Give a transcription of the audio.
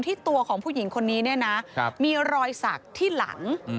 ที่ตัวของผู้หญิงคนนี้มีรอยศักดิ์ที่หลัง